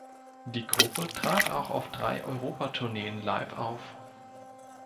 Die Gruppe trat auch auf drei Europatourneen live auf.